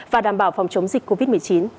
và đảm bảo phòng chống dịch covid một mươi chín